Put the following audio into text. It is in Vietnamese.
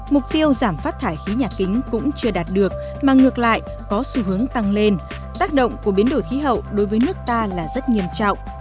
mục tiêu giảm phát thải khí nhà kính cũng chưa đạt được mà ngược lại có xu hướng tăng lên tác động của biến đổi khí hậu đối với nước ta là rất nghiêm trọng